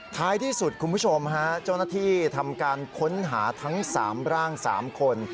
ท้ายที่สุดคุณผู้ชมฮะเจ้าหน้าที่ทำการค้นหาทั้ง๓ร่าง๓คน